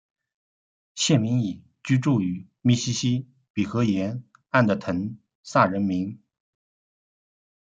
县名以居住于密西西比河沿岸的滕萨人命名。